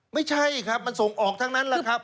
ไม่ใช่ครับมันส่งออกทั้งนั้นแหละครับ